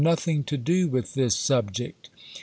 nothing to do with this subject.